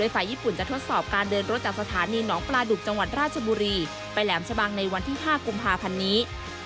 ฝ่ายญี่ปุ่นจะทดสอบการเดินรถจากสถานีหนองปลาดุกจังหวัดราชบุรีไปแหลมชะบังในวันที่๕กุมภาพันธ์นี้